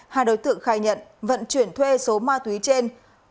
hai đối tượng khai nhận vận chuyển thuê số ma túy trên